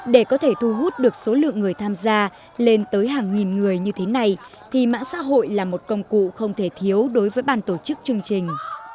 để có thể thu hút được số lượng người tham gia lên tới hàng nghìn người như thế này thì mạng xã hội là một công cụ không thể thiếu đối với bàn tổ chức chương trình